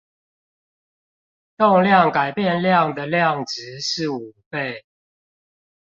動量改變量的量值是五倍